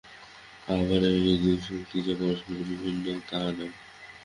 আবার এই দুই শক্তি যে পরস্পর বিভিন্ন, তাহা নয়।